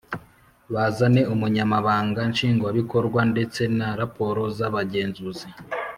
Bazane Umunyamabanga nshingwabikorwa ndetse na raporo z abagenzuzi